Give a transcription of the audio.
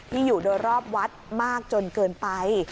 อยู่โดยรอบวัดมากจนเกินไป